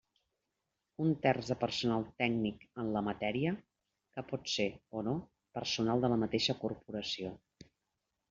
Un terç de personal tècnic en la matèria, que pot ser o no personal de la mateixa corporació.